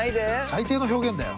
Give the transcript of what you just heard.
最低の表現だよ。